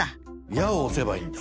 「や」を押せばいいんだ。